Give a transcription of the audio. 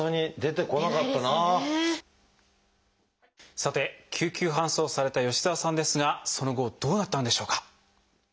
さて救急搬送された吉澤さんですがその後どうなったんでしょうか？